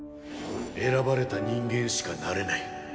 選ばれた人間しかなれない。